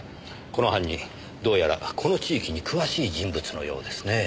この犯人どうやらこの地域に詳しい人物のようですねえ。